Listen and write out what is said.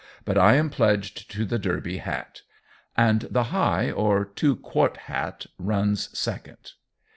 But I am pledged to the derby hat. And the high or two quart hat runs second.